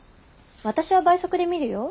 私は倍速で見るよ。